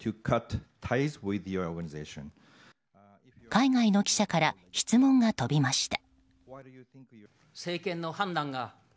海外の記者から質問が飛びました。